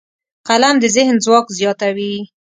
قلم د ذهن ځواک زیاتوي